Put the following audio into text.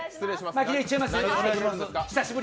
巻きでいっちゃいます？